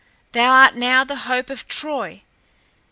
Thou art now the hope of Troy.